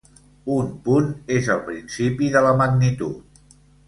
Un punt és el principi de la magnitud.